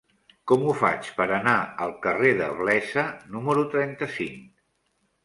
Com ho faig per anar al carrer de Blesa número trenta-cinc?